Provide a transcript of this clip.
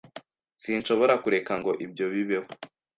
Sinshobora kureka ngo ibyo bibeho .